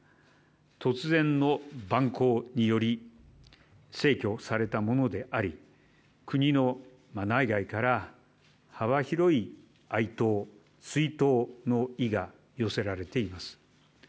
突然の蛮行により逝去されたものであり国の内外から幅広い哀悼、追悼の意が寄せられています。